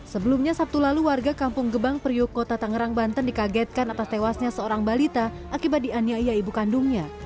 sebelumnya sabtu lalu warga kampung gebang periuk kota tangerang banten dikagetkan atas tewasnya seorang balita akibat dianiaya ibu kandungnya